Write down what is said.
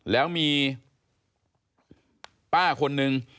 แล้วมีป้าคนนึง